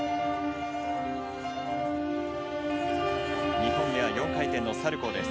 ２本目は４回転のサルコーです。